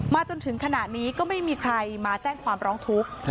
จนถึงขณะนี้ก็ไม่มีใครมาแจ้งความร้องทุกข์